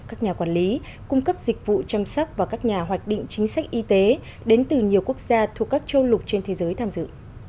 các nhà quản lý cung cấp dịch vụ chăm sóc và các nhà hoạch định chính sách y tế đến từ nhiều quốc gia thuộc các châu lục trên thế giới tham dự